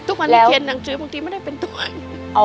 ทุกวันนี้เขียนหนังสือบางทีไม่ได้เป็นตัวอย่าง